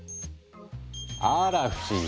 あら不思議。